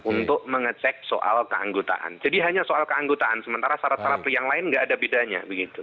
untuk mengecek soal keanggotaan jadi hanya soal keanggotaan sementara syarat syarat yang lain nggak ada bedanya begitu